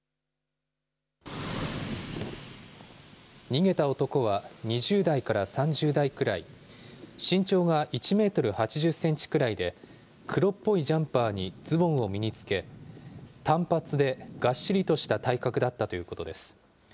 逃げた男は２０代から３０代くらい、身長が１メートル８０センチくらいで、黒っぽいジャンパーにズボンを身につけ、短髪で、がっしりとした体格だったということです。